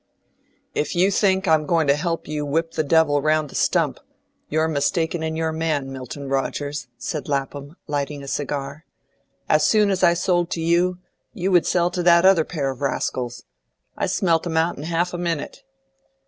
"If you think I'm going to help you whip the devil round the stump, you're mistaken in your man, Milton Rogers," said Lapham, lighting a cigar. "As soon as I sold to you, you would sell to that other pair of rascals. I smelt 'em out in half a minute."